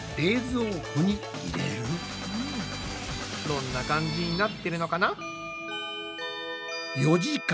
どんな感じになってるのかな？